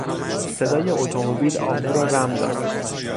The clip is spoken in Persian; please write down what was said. صدای اتومبیل آهو را رم داد.